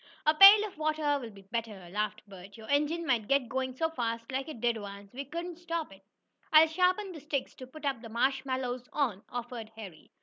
"A pail of water will be better," laughed Bert. "Your engine might get going so fast, like it did once, we couldn't stop it." "I'll sharpen the sticks to put the marshmallows on," offered Harry.